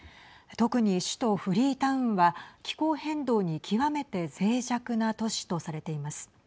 特に首都フリータウンは気候変動に極めてぜい弱な都市とされています。